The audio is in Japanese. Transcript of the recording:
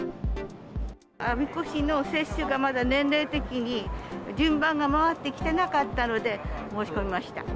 我孫子市の接種が、まだ年齢的に順番が回ってきてなかったので申し込みました。